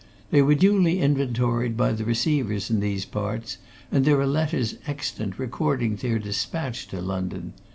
They were duly inventoried by the receivers in these parts, and there are letters extant recording their dispatch to London.